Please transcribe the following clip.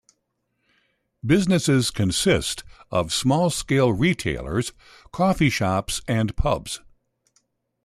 Businesses consist of small-scale retailers, coffee shops, and pubs.